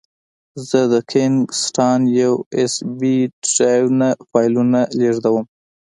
زه د کینګ سټان یو ایس بي ډرایو نه فایلونه لېږدوم.